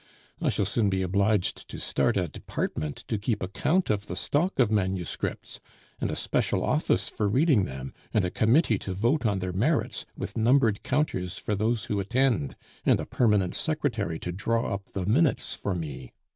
I shall soon be obliged to start a department to keep account of the stock of manuscripts, and a special office for reading them, and a committee to vote on their merits, with numbered counters for those who attend, and a permanent secretary to draw up the minutes for me.